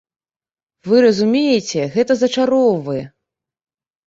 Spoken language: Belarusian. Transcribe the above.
Вы разумееце, гэта зачароўвае!